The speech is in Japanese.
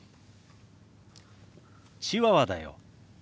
チワワだよ。